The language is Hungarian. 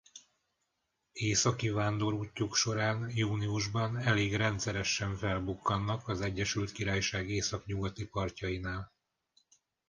Északi vándorútjuk során júniusban elég rendszeresen felbukkannak az Egyesült Királyság északnyugati partjainál.